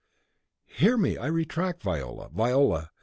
"Hear me. I retract. Viola, Viola!